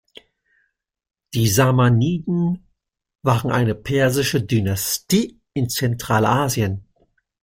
Die Samaniden waren eine persische Dynastie in Zentralasien.